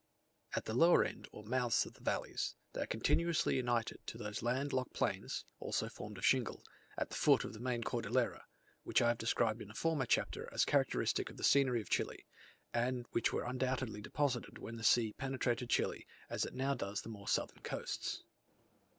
At the lower end or mouths of the valleys, they are continuously united to those land locked plains (also formed of shingle) at the foot of the main Cordillera, which I have described in a former chapter as characteristic of the scenery of Chile, and which were undoubtedly deposited when the sea penetrated Chile, as it now does the more southern coasts.